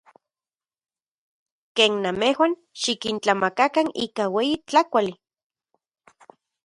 Ken namejuan, xikintlamakakan ika ueyi tlakauali.